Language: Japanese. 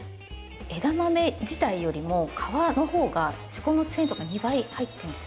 枝豆自体よりも皮の方が食物繊維とか２倍入ってるんです。